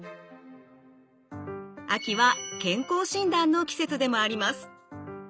秋は健康診断の季節でもあります。